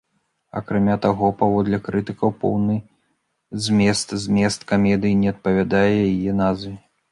Акрамя таго, паводле крытыкаў, поўны змест змест камедыі не адпавядаў яе назве.